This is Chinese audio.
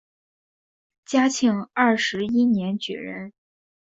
嘉庆二十一年举人。